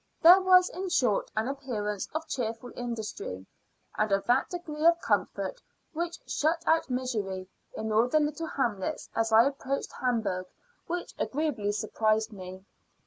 There was, in short, an appearance of cheerful industry, and of that degree of comfort which shut out misery, in all the little hamlets as I approached Hamburg, which agreeably surprised me.